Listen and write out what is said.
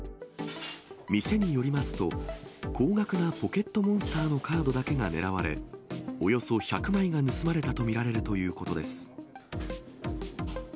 店によりますと、高額なポケットモンスターのカードだけが狙われ、およそ１００枚が盗まれたと見られるということです。